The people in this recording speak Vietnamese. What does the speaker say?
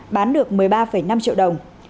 bán được một mươi ba năm triệu đồng